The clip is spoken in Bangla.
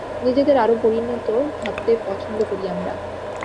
নিজেদের আরো পরিণত ভাবতে পছন্দ করি আমরা।